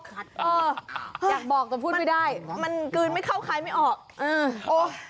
อยากบอกแต่พูดไม่ได้มันกลืนไม่เข้าใครไม่ออกอืม